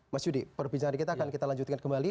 mas yudi perbincangan kita akan kita lanjutkan kembali